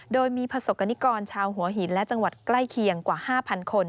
โดยมีประสบกรณิกรชาวหัวหินและจังหวัดใกล้เคียงกว่า๕๐๐คน